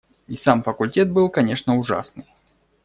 И сам факультет был, конечно, ужасный.